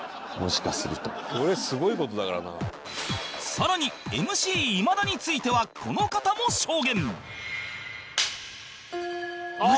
さらに ＭＣ 今田についてはこの方も証言あーっ！